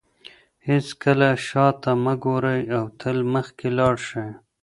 هیڅکله شاته مه ګورئ او تل مخکې لاړ شئ.